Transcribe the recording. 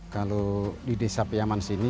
kalau di desa piyaman sini